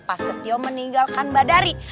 pas setio meninggalkan mbak dari